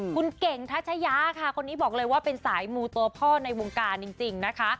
คุณเก่งทัชยาค่ะคนนี้บอกเลยว่าเป็นสายมูตัวพ่อในวงการจริงนะคะ